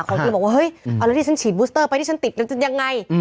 คนที่บอกว่าเฮ้ยเอาแล้วที่ฉันฉีดบูสเตอร์ไปที่ฉันติดแล้วจะยังไง